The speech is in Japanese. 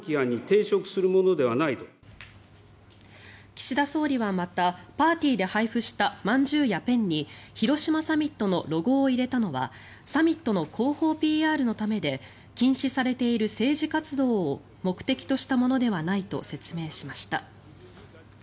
岸田総理はまたパーティーで配布したまんじゅうやペンに広島サミットのロゴを入れたのはサミットの広報ＰＲのためで禁止されている政治活動を目的としたものではないと説明しました。